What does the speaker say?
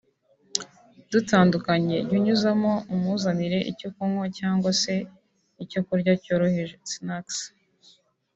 dutandukanye jya unyuzamo umuzanire icyo kunywa cyangwa se icyo kurya cyoroheje (snacks)